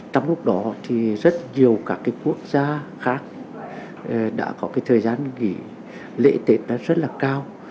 trong lúc đó thì rất nhiều các quốc gia khác đã có thời gian nghỉ lễ tết rất là cao